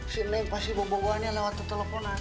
sini pasti bobo bobanya lewat teleponan